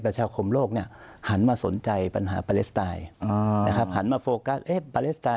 ประชาคมโลกเนี่ยหันมาสนใจปัญหาอ่านะครับหันมาโฟกัสเอ๊ะ